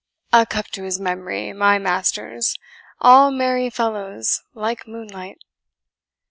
A cup to his memory, my masters all merry fellows like moonlight.